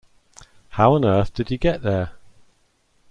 How on earth did he get there?